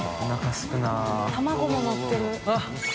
水卜）卵ものってる。